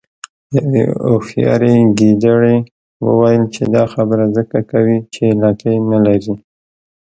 یوې هوښیارې ګیدړې وویل چې دا خبره ځکه کوې چې لکۍ نلرې.